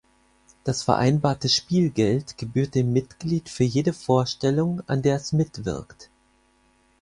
Das vereinbarte Spielgeld gebührt dem Mitglied für jede Vorstellung, an der es mitwirkt.